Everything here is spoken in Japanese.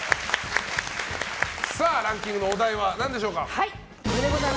ランキングのお題は何でしょうか。